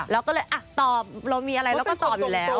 เราก็เลยตอบเรามีอะไรเราก็ตอบอยู่แล้ว